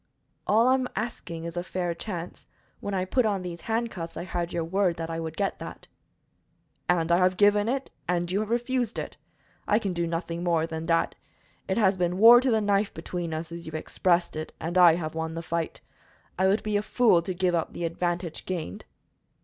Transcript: "All I am asking is a fair chance. When I put on these handcuffs I had your word that I would get that." "And I have given it and you have refused it. I can do nothing more than that. It has been war to the knife between us, as you expressed it, and I have won the fight. I would be a fool to give up the advantage gained."